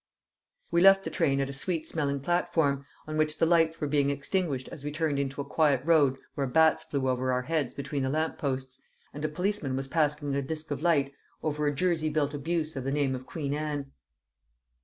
We left the train at a sweet smelling platform, on which the lights were being extinguished as we turned into a quiet road where bats flew over our heads between the lamp posts, and a policeman was passing a disc of light over a jerry built abuse of the name of Queen Anne.